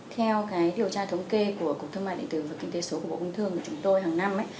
theo điều tra thống kê của cục thương mại điện tử và kinh tế số của bộ công thương của chúng tôi hàng năm